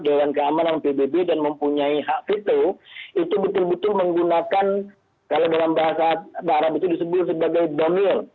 dewan keamanan pbb dan mempunyai hak veto itu betul betul menggunakan kalau dalam bahasa arab itu disebut sebagai domil